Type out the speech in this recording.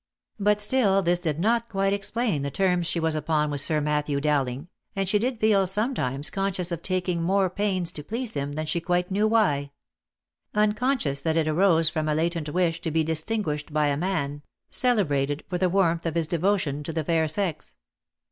But still this did not quite explain the terms she was upon with Sir Matthew Dowling, and she did feel sometimes conscious of taking more pains to please him than she quite knew why — uncon scious that it arose from a latent wish to be distinguished by a man, OF MICHAEL ARMSTRONG. 19 celebrated for the warmth of his devotion to the fair sex.